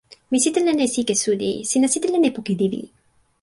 mi sitelen e sike suli. sina sitelen e poki lili.